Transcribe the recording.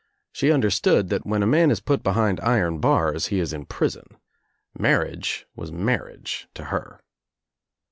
She understood that when a man !s put behind iron bars he is in prison. Marriage was marriage to her.